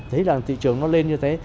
thế là thị trường nó lên như thế